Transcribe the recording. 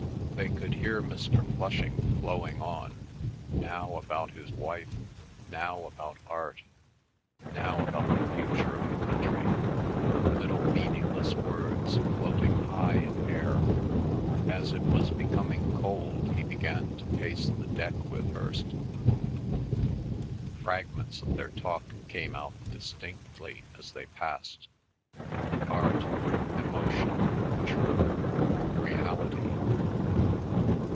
They could hear Mr. Flushing flowing on, now about his wife, now about art, now about the future of the country, little meaningless words floating high in air. As it was becoming cold he began to pace the deck with Hirst. Fragments of their talk came out distinctly as they passed—art, emotion, truth, reality.